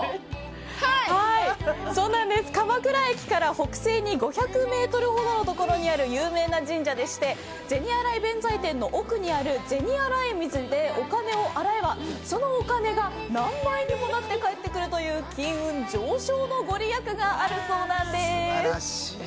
鎌倉駅から北西に５００メートルほどの所にある有名な神社でして銭洗弁財天の奥にある銭洗水でお金を洗えばそのお金が何倍にもなって返ってくるという金運上昇の御利益があるそうなんです。